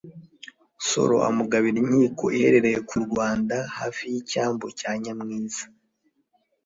nsoro amugabira inkiko iherereye ku rwanda hafi y'icyambu cya nyamwiza.